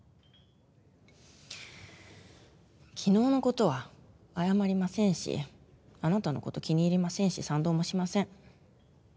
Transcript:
昨日のことは謝りませんしあなたのこと気に入りませんし賛同もしません。